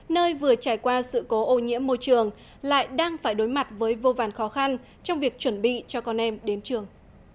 nơi vừa trải qua sự cố ô nhiễm môi trường lại đang phải đối mặt với vô vàn khó khăn trong việc chuẩn bị cho con em đến trường